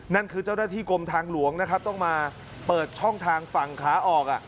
นั่นคือเจ้าหน้าที่กรมทางหลวงนะครับต้องมาเปิดช่องทางฝั่งขาออก